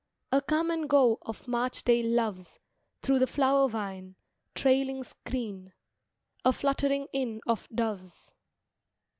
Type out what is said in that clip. A come and go of March day loves Through the flower vine, trailing screen; A fluttering in of doves.